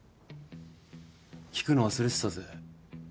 聞くの忘れてたぜ。